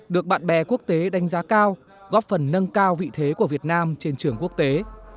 được bạn bè quốc tế đánh giá cao góp phần nâng cao vị thế của việt nam trên trường quốc tế